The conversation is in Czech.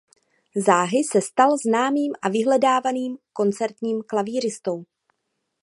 Záhy se stal známým a vyhledávaným koncertním klavíristou.